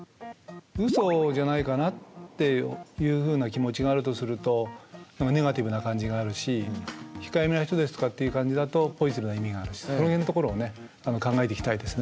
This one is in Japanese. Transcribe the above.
ウソじゃないかなっていうふうな気持ちがあるとするとネガティブな感じがあるし控えめな人ですとかっていう感じだとポジティブな意味があるしその辺のところをね考えていきたいですね。